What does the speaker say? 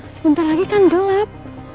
sebentar lagi kan gelap